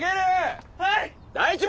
はい！